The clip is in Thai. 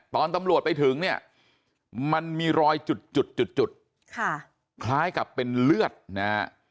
ตอนตำรวจไปถึงเนี่ยมันมีรอยจุดจุดคล้ายกับเป็นเลือดนะฮะ